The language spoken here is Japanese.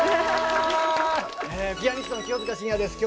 ピアニストの清塚信也です。